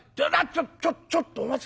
「ちょっちょっとお待ち！